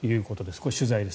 これ、取材です。